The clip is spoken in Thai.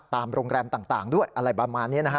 ตามโรงแรมต่างด้วยอะไรประมาณนี้นะฮะ